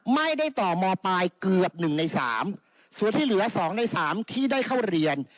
ไม่ได้ต่อมปลายเกือบ๑ใน๓ส่วนที่เหลือ๒ใน๓ที่ได้เข้าเรียน